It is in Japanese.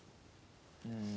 うん